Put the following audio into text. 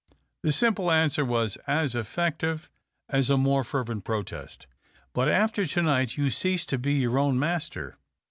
The simple answer was as effective as a more fervent protest. " But after to niglit you cease to be your own master